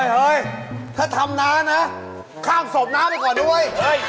เฮ้ยถ้าทำน้านะข้ามศพน้าไปก่อนด้วย